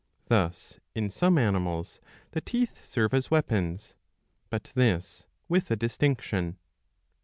Thus in some animals the teeth serve as weapons ; but this with a distinction.